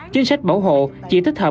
chính sách bảo hộ chỉ thích hợp